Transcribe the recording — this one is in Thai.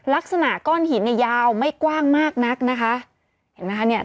ลักษณะก้อนหินในยาวไม่กว้างมากนักนะคะเห็นมั้ยคะ